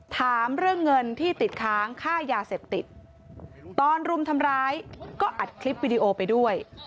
ถามเรื่องเงินที่ติดค้างค่ายาเสพติดตอนรุมทำร้ายก็อัดคลิปวิดีโอไปด้วย